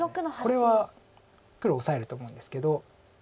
これは黒オサえると思うんですけど。